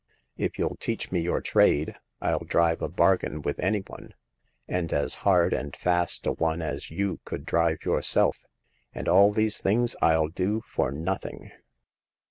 If you'll teach me your trade, 111 drive a bargain with any one— and as hard and fast a one as you could drive yourself . And all these things 111 do for nothing."